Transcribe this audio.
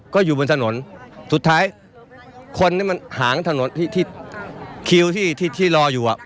ก็อยู่บนถนนสุดท้ายคนที่มันหางถนนที่ที่คิวที่ที่รออยู่อ่ะ